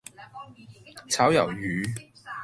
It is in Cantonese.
炒魷魚